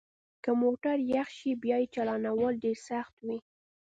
که موټر یخ شي بیا یې چالانول ډیر سخت وي